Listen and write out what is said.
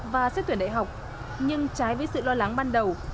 và xét tuyển đại học nhưng trái với sự lo lắng ban đầu